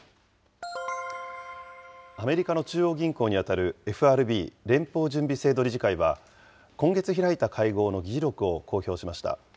アメリカの中央銀行に当たるＦＲＢ・連邦準備制度理事会は、今月開いた会合の議事録を公表しました。